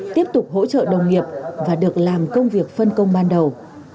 tiếp tục hỗ trợ đồng nghiệp và được làm công việc phân công ban đầu